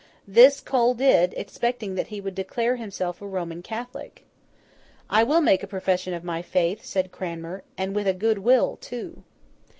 This, Cole did, expecting that he would declare himself a Roman Catholic. 'I will make a profession of my faith,' said Cranmer, 'and with a good will too.